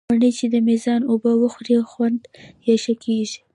مڼې چې د مېزان اوبه وخوري، خوند یې ښه کېږي.